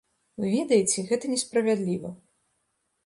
Вы ведаеце, гэта несправядліва.